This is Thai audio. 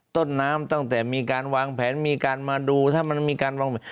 ต้นน้ำตั้งแต่มีการวางแผนมีการมาดูถ้ามันมีการวางแผน